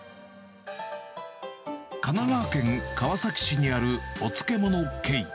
神奈川県川崎市にあるおつけもの慶。